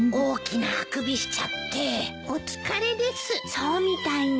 そうみたいね。